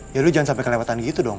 ya dulu jangan sampai kelewatan gitu dong